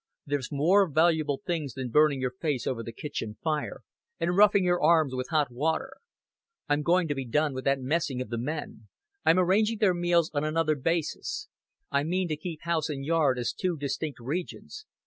"There's more valuable things than burning your face over the kitchen fire, and roughing your arms with hot water. I'm going to be done with that messing of the men; I'm arranging their meals on another basis; I mean to keep house and yard as two distinct regions.